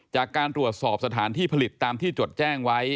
จากการตรวจสอบสถานที่ผลิตตามที่จดแจ้งไว้